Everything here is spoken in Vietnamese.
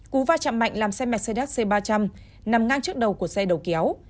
cú va chạm mạnh làm xe mercedes c ba trăm linh nằm ngang trước đầu của xe đầu kéo